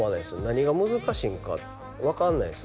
何が難しいんか分かんないです